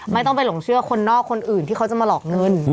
ไม่ต้องไปหลงเชื่อคนนอกคนอื่นที่เขาจะมาหลอกเงิน